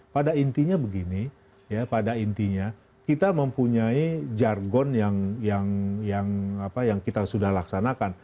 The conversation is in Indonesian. pada intinya begini ya pada intinya kita mempunyai jargon yang kita sudah laksanakan